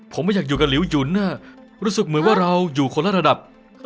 ผมไม่อยากอยู่กับหลิวหยุนรู้สึกเหมือนว่าเราอยู่คนละระดับ